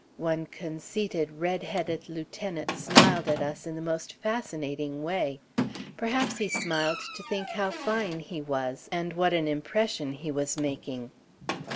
One conceited, red headed lieutenant smiled at us in the most fascinating way; perhaps he smiled to think how fine he was, and what an impression he was making.